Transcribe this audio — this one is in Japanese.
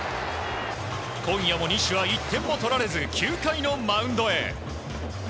今夜も西は１点も取られず９回のマウンドへ。